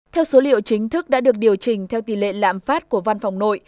theo số liệu chính thức đã được điều chỉnh theo tỷ lệ lạm phát của văn phòng nội